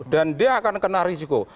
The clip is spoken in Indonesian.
dan dia akan kena risiko